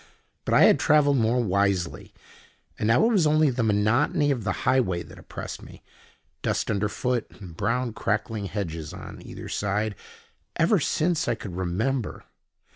But I had travelled more wisely, and now it was only the monotony of the highway that oppressed me—dust under foot and brown crackling hedges on either side, ever since I could remember.